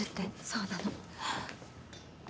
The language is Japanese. そうなの。